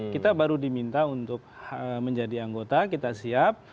kita baru diminta untuk menjadi anggota kita siap